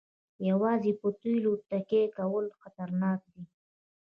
یوازې په تیلو تکیه کول خطرناک دي.